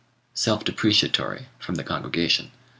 self depreciatory, from the congregation.